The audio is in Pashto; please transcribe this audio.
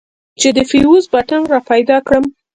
چې د فيوز بټن راپيدا کړم.